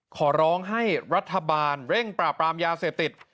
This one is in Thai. ขอร้องให้รัฐบาลเร่งปราบปรามยาเสพติด